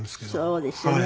そうですよね。